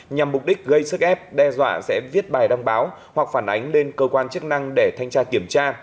nhằm mục đích gây sức ép đe dọa sẽ viết bài đăng báo hoặc phản ánh lên cơ quan chức năng để thanh tra kiểm tra